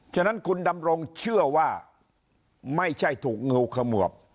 จนเนี้ยคุณดำรงค์เชื่อไม่ช้าถูกงิวคมวบ